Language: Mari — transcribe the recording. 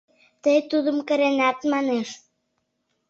Тый тудым кыренат, манеш.